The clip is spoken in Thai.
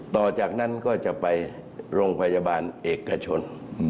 ต่อจากนั้นก็จะไปโรงพยาบาลเอกชน